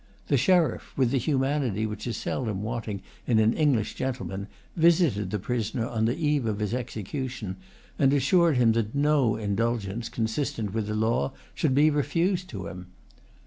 The sheriff, with the humanity which is seldom wanting in an English gentleman, visited the prisoner on the eve of the execution, and assured him that no indulgence, consistent with the law, should be refused to him.